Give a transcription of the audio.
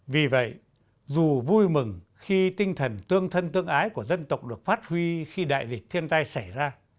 vì vậy dù vui mừng khi tinh thần tương thân tương ái của dân tộc được phát huy khi đại dịch thiên tai xảy ra